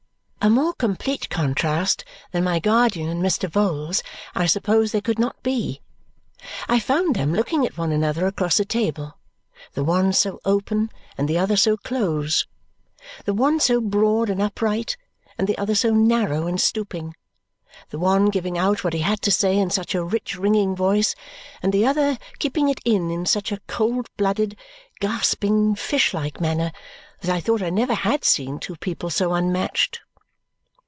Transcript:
A more complete contrast than my guardian and Mr. Vholes I suppose there could not be. I found them looking at one another across a table, the one so open and the other so close, the one so broad and upright and the other so narrow and stooping, the one giving out what he had to say in such a rich ringing voice and the other keeping it in in such a cold blooded, gasping, fish like manner that I thought I never had seen two people so unmatched.